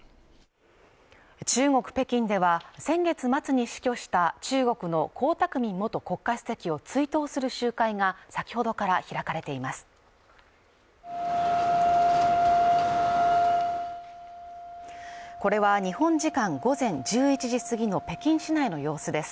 中国北京では先月末に死去した中国の江沢民元国家主席を追悼する集会が先ほどから開かれています